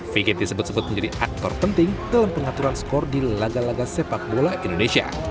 vigit disebut sebut menjadi aktor penting dalam pengaturan skor di laga laga sepak bola indonesia